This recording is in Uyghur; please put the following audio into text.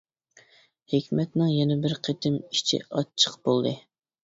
ھېكمەتنىڭ يەنە بىر قېتىم ئىچى ئاچچىق بولدى.